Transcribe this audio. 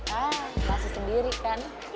ah masih sendiri kan